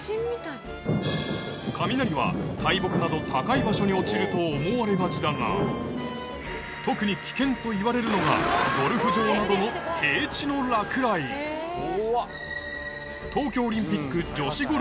雷は大木など高い場所に落ちると思われがちだが特に危険といわれるのがゴルフ場などの平地の落雷ではこれを見ればえ！